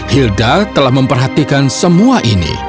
hilda telah memperhatikan semua ini